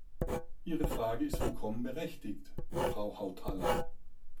Ihre Frage ist vollkommen berechtigt, Frau Hautala.